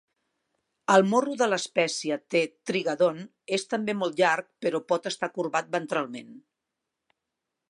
El morro de l'espècie "T. trigadon" és també molt llarg però pot està corbat ventralment.